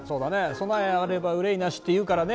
「備えあれば憂いなし」って言うからね。